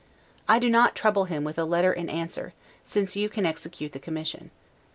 I do not trouble him with a letter in answer, since you can execute the commission.